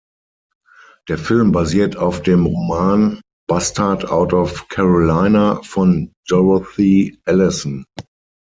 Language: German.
Der Film basiert auf dem Roman "Bastard Out of Carolina" von Dorothy Allison.